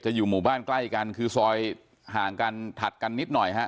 อยู่หมู่บ้านใกล้กันคือซอยห่างกันถัดกันนิดหน่อยฮะ